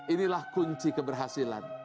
inilah kunci keberhasilan